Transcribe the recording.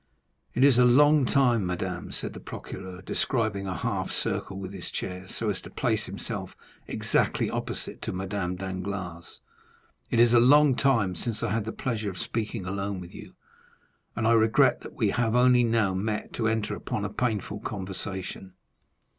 30261m "It is a long time, madame," said the procureur, describing a half circle with his chair, so as to place himself exactly opposite to Madame Danglars,—"it is a long time since I had the pleasure of speaking alone with you, and I regret that we have only now met to enter upon a painful conversation."